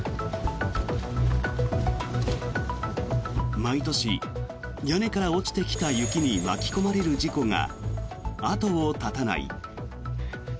毎年、屋根から落ちてきた雪に巻き込まれる事故が後を絶たない。